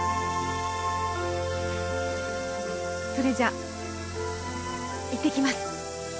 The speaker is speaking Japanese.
それじゃいってきます。